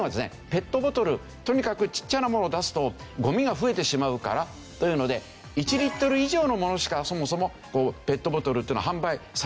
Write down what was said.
ペットボトルとにかくちっちゃなものを出すとゴミが増えてしまうからというので１リットル以上のものしかそもそもペットボトルというのは販売されていなかった。